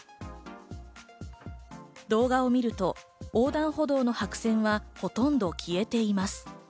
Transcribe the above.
動画を見ると横断歩道の白線はほとんど消えています。